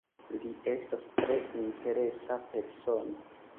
Li estas tre interesa persono.